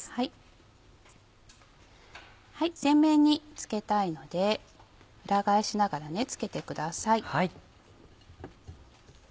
全面に付けたいので裏返しながら付けてください。